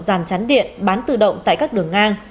dàn chắn điện bán tự động tại các đường ngang